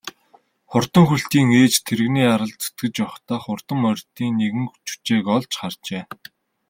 Хурдан хөлтийн ээж тэрэгний аралд зүтгэж явахдаа хурдан морьдын нэгэн жүчээг олж харжээ.